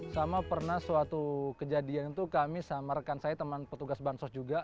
sama pernah suatu kejadian itu kami sama rekan saya teman petugas bansos juga